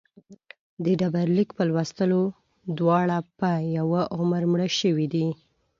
د ډبرلیک په لوستلو دواړه په یوه عمر مړه شوي دي.